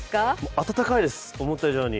暖かいです、思った以上に。